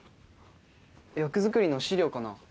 役作りの資料かな？